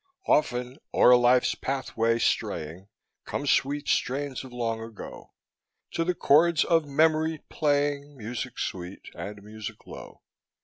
Often o'er life's pathway straying Come sweet strains of long ago, To the chords of memory playing Music sweet and music low.